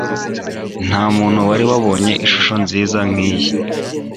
Ntamuntu wari wabonye ishusho nziza nkiyi.